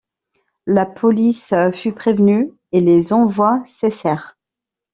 La police fut prévenue et les envois cessèrent.